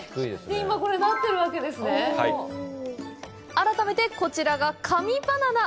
改めて、こちらが神バナナ！